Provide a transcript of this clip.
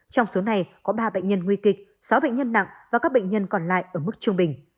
trong số này có ba bệnh nhân nguy kịch sáu bệnh nhân nặng và các bệnh nhân còn lại ở mức trung bình